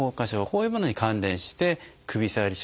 こういうものに関連して首下がり